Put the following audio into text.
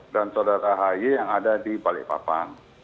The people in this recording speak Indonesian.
dan saudara ahy yang ada di balikpapan